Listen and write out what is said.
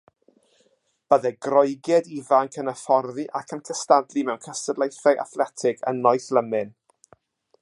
Byddai Groegiaid ifanc yn hyfforddi ac yn cystadlu mewn cystadlaethau athletig yn noethlymun.